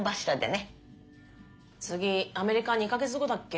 次アメリカ２か月後だっけ？